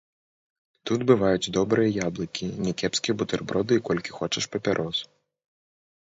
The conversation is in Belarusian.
Тут бываюць добрыя яблыкі, някепскія бутэрброды і колькі хочаш папярос.